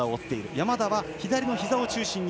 山田は左のひざを中心に。